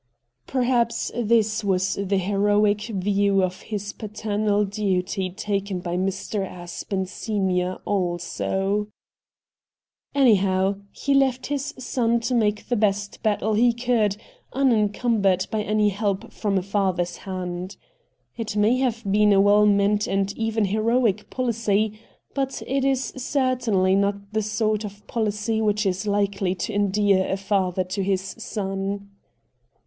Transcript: Perhaps this was the heroic view of his paternal duty taken by Mr. Aspen senior also. 1 86 RED DIAMONDS Anyhow, lie left his son to make the best battle he could, unencumbered by any help from a father's hand. It may have been a well meant and even heroic policy, but it is certainly not the sort of policy which is likely to endear a father to his son.